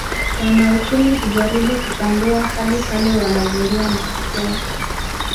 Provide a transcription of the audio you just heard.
Wanauchumi hujaribu kuchambua hadi pale wanagundua matokeo